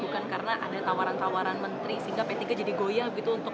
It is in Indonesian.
bukan karena ada tawaran tawaran menteri sehingga p tiga jadi goyah begitu untuk